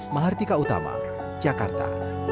mahartika utama jakarta